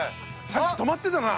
さっき止まってたな。